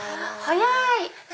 早い！